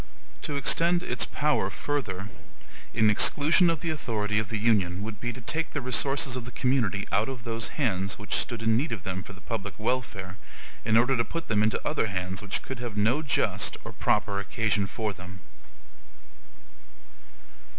To extend its power further, in EXCLUSION of the authority of the Union, would be to take the resources of the community out of those hands which stood in need of them for the public welfare, in order to put them into other hands which could have no just or proper occasion for them.